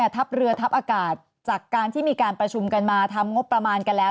ทัพเรือทัพอากาศจากการที่มีการประชุมกันมาทำงบประมาณกันแล้ว